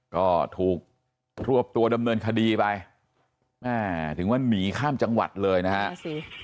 ก็ถูกรวบตัวดำเนินคดีไปแม่ถึงว่าหนีข้ามจังหวัดเลยนะฮะ